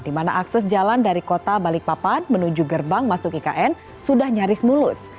di mana akses jalan dari kota balikpapan menuju gerbang masuk ikn sudah nyaris mulus